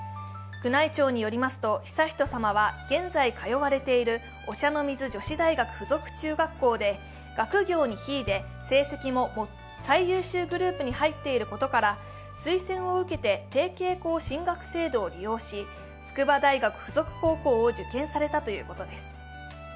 宮内庁によりますと悠仁さまは現在、通われているお茶の水女子大学附属中学校で学業に秀で成績も最優秀グループに入っていることから、推薦を受けて提携校進学制度を利用し、筑波大学附属高校を受験されたということです。